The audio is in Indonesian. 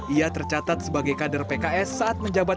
ia tercatat sebagai kader pks saat menjabat